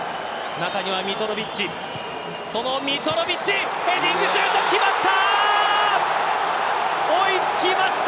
中にはミトロヴィッチそのミトロヴィッチヘディングシュート、決まった。